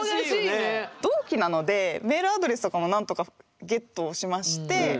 同期なのでメールアドレスとかもなんとかゲットしまして。